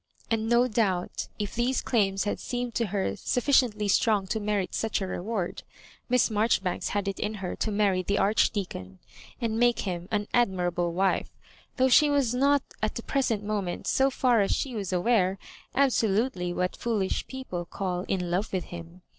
And no doubt, if these claims had seemed to her sufficiently strong to merit such a reward. Miss Maijoribanks had it in her to marry the Archdeacon, and make him an admirable wife, though she was not at the pre sent moment, so far as she was aware, absolutely what foolish people call in love with him.